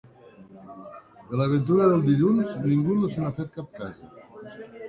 De la ventura dels dilluns ningú no se n'ha fet cap casa.